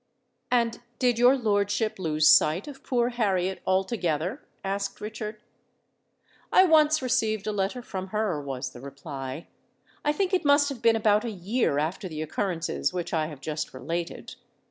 "And did your lordship lose sight of poor Harriet altogether?" asked Richard. "I once received a letter from her," was the reply: "I think it must have been about a year after the occurrences which I have just related.